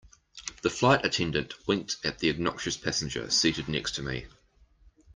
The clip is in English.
The flight attendant winked at the obnoxious passenger seated next to me.